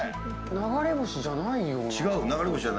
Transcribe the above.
流れ星じゃないよな。